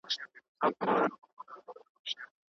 سياستپوهنه د سياسي آندونو څېړنه کوي.